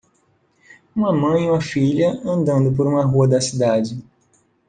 Uma mãe e filha andando por uma rua da cidade.